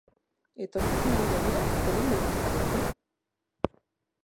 Etorkizunari begira zeren beldur zarete?